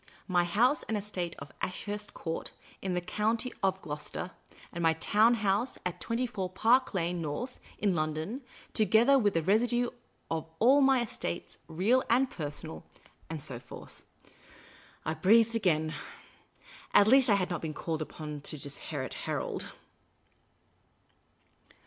" My house and estate of Ashurst Court, in the County of Gloucester, and my town house at 24 Park I^ane North, in London, together with the residue of all my estate, real or personal " and so forth. I breathed again. At least, I had not been called upon to disinherit Harold.